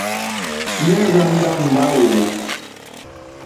Nɛh Rzang'a Ndawo?